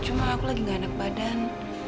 cuma aku lagi gak enak badan